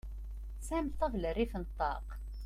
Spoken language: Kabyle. Tesɛam ṭabla rrif n ṭaq?